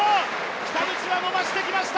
北口が伸ばしてきました！